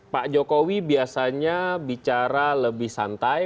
pak jokowi biasanya bicara lebih santai